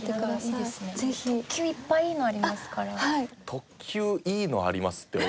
「特急いいのあります」って俺